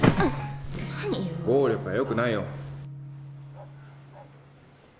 なによ暴力はよくないよ